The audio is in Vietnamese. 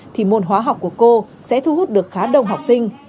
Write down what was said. thì môn hóa học của cô sẽ thu hút được khá đông học sinh